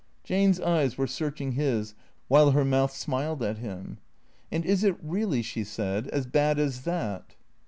Jane's eyes were searching his while her mouth smiled at him. " And is it really," she said, " as bad as that?